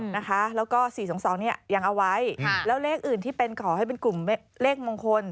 นะคะแล้วก็๔๒๒นี้ยังเอาไว้แล้วเลขอให้เป็นกลุ่มเลขมงคล